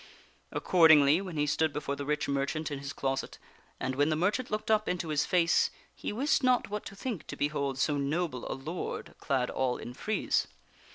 Accordingly, when he stood before the rich merchant in his closet, and when the merchant looked up ^ing Arthur into his face, he wist not what to think to behold so noble a seeks armor to do lord clad all in frieze.